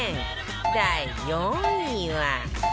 第４位は